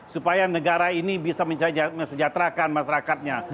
supaya negara ini bisa mensejahterakan masyarakatnya